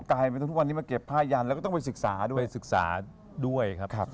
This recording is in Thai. กลายมาทุกวันนี้มาเก็บผ้ายันแล้วก็ต้องไปศึกษาด้วย